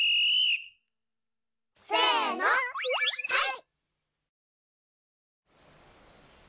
せのはい！